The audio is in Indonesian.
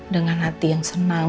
dengan hati yang senang